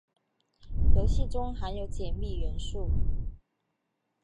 游戏中含有解密元素。